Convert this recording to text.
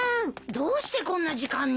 どうしてこんな時間に？